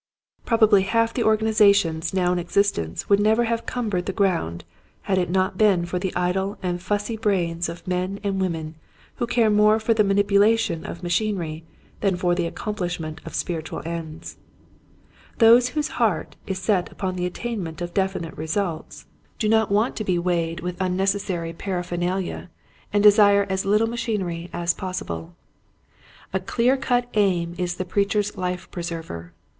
Probably half the organi zations now in existence would never have cumbered the ground had it not been for the idle and fussy brains of men and women who care more for the manipulation of machinery than for the accomplishment of spiritual ends. Those whose heart is set on the attainment of definite results The Value of a Target. 89 do not want to be weighted with unneces sary paraphernalia and desire as Uttle ma chinery as possible. A clear cut aim is the preacher's life preserver.